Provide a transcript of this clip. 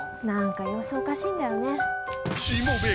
何か様子おかしいんだよね。